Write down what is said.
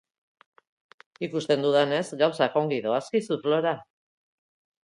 Ikusten dudanez, gauzak ongi doazkizu, Flora.